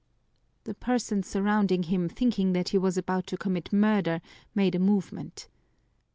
The persons surrounding him, thinking that he was about to commit murder, made a movement.